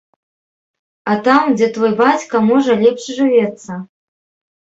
А там, дзе твой бацька, можа лепш жывецца?